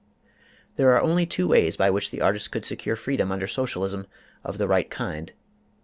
There are two ways by which the artist could secure freedom under Socialism of the right kind.